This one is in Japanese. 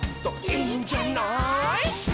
「いいんじゃない」